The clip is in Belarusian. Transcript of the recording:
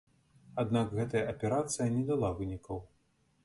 Аднак гэтая аперацыя не дала вынікаў.